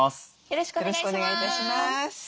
よろしくお願いします。